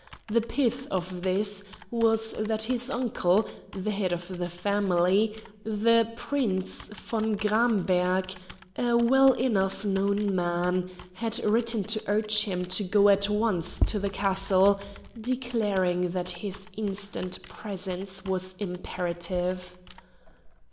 The pith of this was that his uncle, the head of the family, the Prince von Gramberg, a well enough known man, had written to urge him to go at once to the castle, declaring that his instant presence was imperative.